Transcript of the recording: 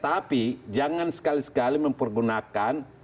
tapi jangan sekali sekali mempergunakan